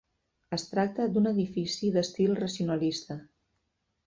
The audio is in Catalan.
Es tracta d'un edifici d'estil racionalista.